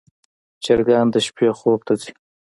چرګان د شپې خوب ته ځي.